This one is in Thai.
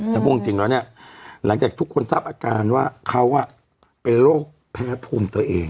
แต่พูดจริงแล้วเนี่ยหลังจากทุกคนทราบอาการว่าเขาเป็นโรคแพ้ภูมิตัวเอง